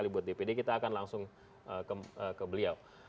sekali buat dpd kita akan langsung ke beliau